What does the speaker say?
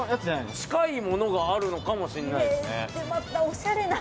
近いものがあるのかもしれないです。